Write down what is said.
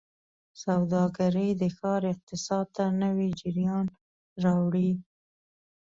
سوداګرۍ د ښار اقتصاد ته نوي جریان راوړي.